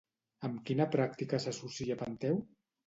Amb quina pràctica s'associa Penteu?